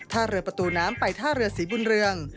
ท่าเรือประตูน้ำไปท่าเรือศรีบุญเรือง